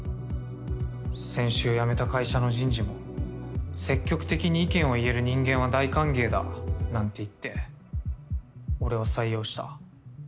先週辞めた会社の人事も積極的に意見を言える人間は大歓迎だなんて言って俺を採用した。